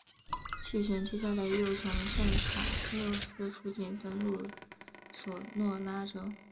气旋接下来又从圣卡洛斯附近登陆索诺拉州。